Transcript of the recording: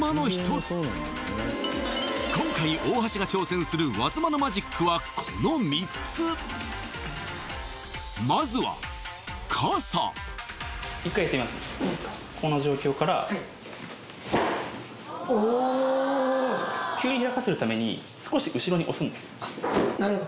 今回大橋が挑戦する和妻のマジックはこの３つまずは傘この状況からはいおおっ急に開かせるために少し後ろに押すんですなるほど